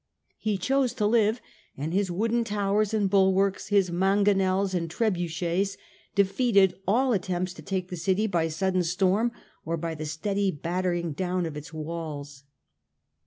He chose to live, and his wooden towers and bulwarks, his mangonels and trebuchets, defeated all attempts to take the city by sudden storm or by the steady battering down of its walls.